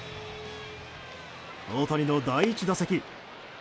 大谷の第１打席。